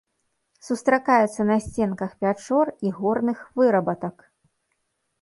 Сустракаецца на сценках пячор і горных вырабатак.